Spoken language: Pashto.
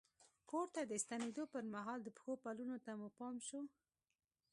کور ته د ستنېدو پر مهال د پښو پلونو ته مو پام شو.